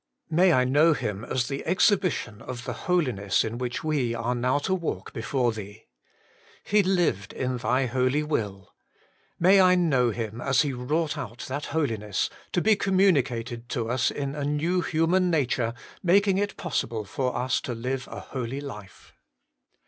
May I know Him as the exhibition of the Holiness in which we are now to walk before Thee. He lived in Thy holy will. May I know Him as He wrought out that holiness, to be communicated to us in a new human nature, making it possible for us to live a holy life.